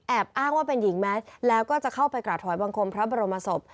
อ้างว่าเป็นหญิงแมสแล้วก็จะเข้าไปกราบถอยบังคมพระบรมศพ